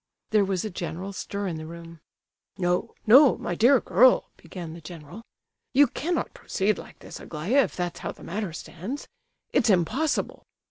There was a general stir in the room. "No—no—my dear girl," began the general. "You cannot proceed like this, Aglaya, if that's how the matter stands. It's impossible.